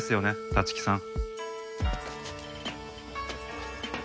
立木さん。